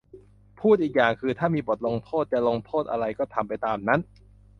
พูดอีกอย่างก็คือ ถ้ามีบทลงโทษ จะลงโทษอะไรก็ทำไปตามนั้น